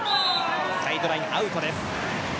サイドライン、アウトです。